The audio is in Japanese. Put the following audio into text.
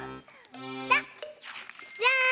じゃん！